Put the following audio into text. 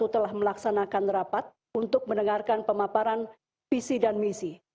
telah melaksanakan rapat untuk mendengarkan pemaparan visi dan misi